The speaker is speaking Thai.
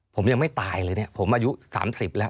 ผมยังไม่ตายเลยเนี่ยผมอายุ๓๐แล้ว